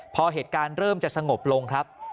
พอเหตุการณ์เริ่มจะสงบลงครับ